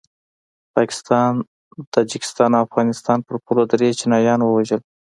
پاکستان د تاجکستان او افغانستان پر پوله دري چینایان ووژل